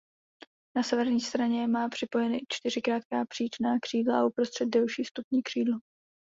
Na severní stranu má připojeny čtyři krátká příčná křídla a uprostřed delší vstupní křídlo.